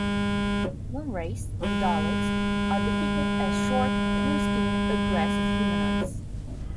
One race, the Daleks, are depicted as short, blue-skinned, aggressive humanoids.